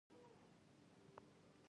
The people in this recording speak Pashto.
اوس مې پۀ پروني د کرکټ پۀ پوسټ